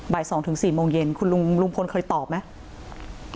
บ่ายสองถึงสี่โมงเย็นคุณลุงลุงพลเคยตอบไหม